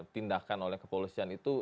tindakan oleh kepolisian itu